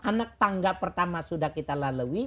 anak tangga pertama sudah kita lalui